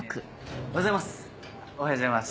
おはようございます。